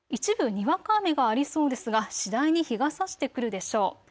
一部、にわか雨がありそうですが次第に日がさしてくるでしょう。